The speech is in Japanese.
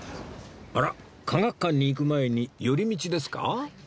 あら科学館に行く前に寄り道ですか？